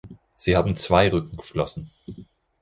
Sie haben zwei Rückenflossen.